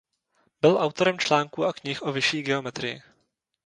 Byl autorem článků a knih o vyšší geometrii.